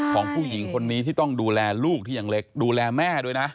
ของผู้หญิงคนนี้ที่ต้องดูแลลูกที่ยังเล็กดูแลแม่ด้วยนะ